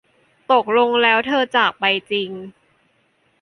ตกลงแล้วเธอจากไปจริง